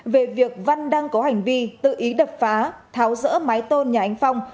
về việc văn đang có hành vi tự ý đập phá tháo rỡ mái tôn nhà anh phong